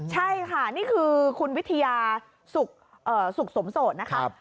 ใช่ค่ะนี่คือคุณวิทยาสุขสมโสดนะคะ